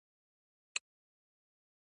اورېدل د روزنې برخه ده.